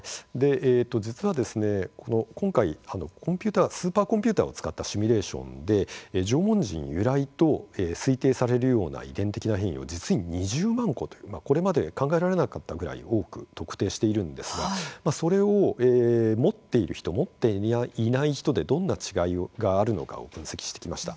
実はですね、今回スーパーコンピューターを使ったシミュレーションで縄文人由来と推定されるような遺伝的な変異を実に２０万個というこれまで考えられなかったぐらい多く特定しているんですがそれを持っている人持っていない人でどんな違いがあるのかを分析してきました。